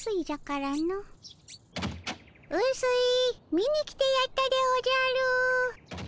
見に来てやったでおじゃる。